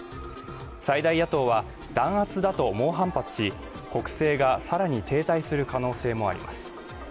最大野党は弾圧だと猛反発し国政がさらに停滞する可能性もあります